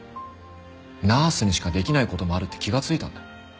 ナースにしかできない事もあるって気がついたんだ。